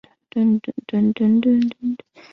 威利斯曾就读于圣保罗小学和。